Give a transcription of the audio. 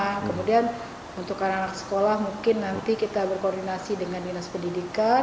nah kemudian untuk anak anak sekolah mungkin nanti kita berkoordinasi dengan dinas pendidikan